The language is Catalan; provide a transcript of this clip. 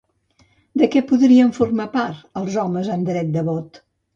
De què podien formar part els homes amb dret de vot?